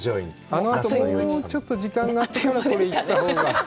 あのあと、もうちょっと時間があってから、これ、行ったほうが。